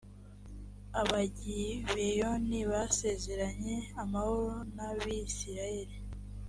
abagibeyoni basezeranye amahoro n abisirayeli